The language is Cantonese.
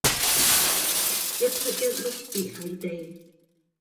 一僕一碌跌係地